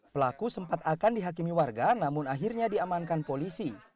pelaku sempat akan dihakimi warga namun akhirnya diamankan polisi